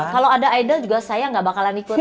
kalau ada idol juga saya nggak bakalan ikut